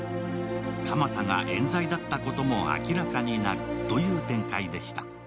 鎌田が、えん罪だったことも明らかになるという展開でした。